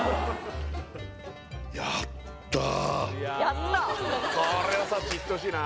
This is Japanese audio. やったー